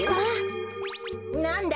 なんだ？